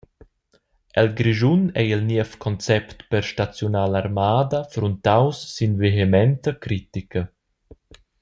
El Grischun ei il niev concept per staziunar l’armada fruntaus sin vehementa critica.